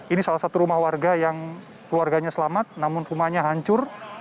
ini salah satu rumah warga yang keluarganya selamat namun rumahnya hancur